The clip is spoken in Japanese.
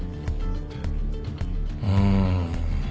うん。